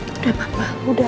udah papa udah